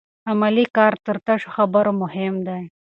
عملي کار تر تشو خبرو مهم دی.